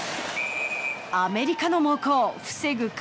アメリカの猛攻、防ぐ